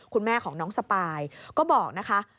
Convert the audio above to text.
คุณแม่ของน้องสปายก็บอกนะคะ